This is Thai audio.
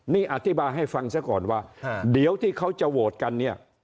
นี่อธิบายให้ฟังซะก่อนว่าเดี๋ยวที่เขาจะโหวตกันเนี่ย